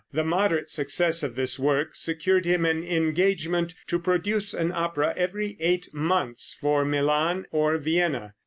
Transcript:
The moderate success of this work secured him an engagement to produce an opera every eight months for Milan or Vienna.